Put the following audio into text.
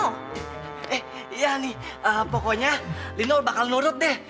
eh ya hani pokoknya lino bakal nurut deh